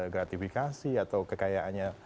gratifikasi atau kekayaannya